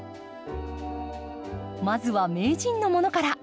まずは名人のものから。